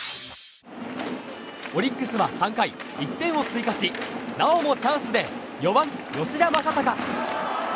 オリックスは３回１点を追加しなおもチャンスで４番、吉田正尚。